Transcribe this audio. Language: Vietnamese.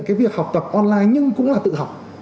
cái việc học tập online nhưng cũng là tự học